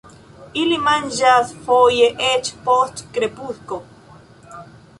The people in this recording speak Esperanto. Ili manĝas foje eĉ post krepusko.